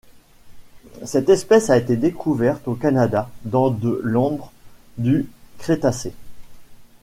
Cette espèce a été découverte au Canada dans de l'ambre du Crétacé.